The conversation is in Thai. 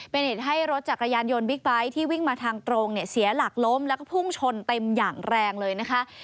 เป็นเหตุให้รถจักรยานยนต์บิ๊กไบท์ที่วิ่งมาทางตรงเนี่ยเสียหลักล้มแล้วก็พุ่งชนเต็มอย่างแรงเลยนะคะ